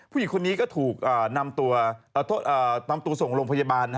ผู้หญิงคนนี้ก็ถูกนำตัวส่งโรงพยาบาล